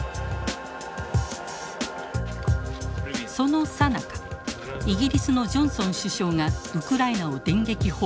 そのさなかイギリスのジョンソン首相がウクライナを電撃訪問。